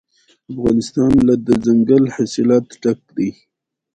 افغانستان له دځنګل حاصلات ډک دی.